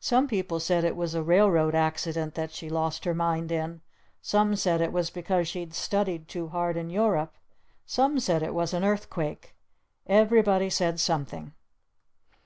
Some people said it was a railroad accident that she lost her mind in. Some said it was because she'd studied too hard in Europe. Some said it was an earthquake. Everybody said something.